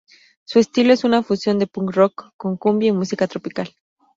Su estilo es una fusión de punk rock con cumbia y música tropical.